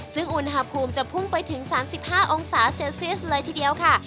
ซึ่งอุณหภูมิจะพุ่งไปถึง๓๕องศาเซลเซียสเลยทีเดียวค่ะ